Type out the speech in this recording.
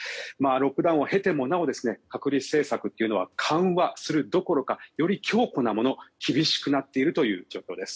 ロックダウンを経てもなお隔離政策というのは緩和するどころかより強固なもの厳しくなっているという状況です。